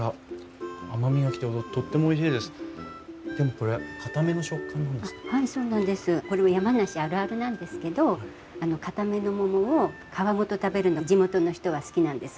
これは山梨あるあるなんですけどかための桃を皮ごと食べるの地元の人は好きなんです。